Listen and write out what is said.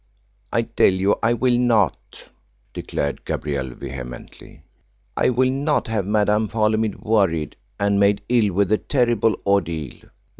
"I tell you I will not," declared Gabrielle vehemently. "I will not have Madame Holymead worried and made ill with the terrible ordeal.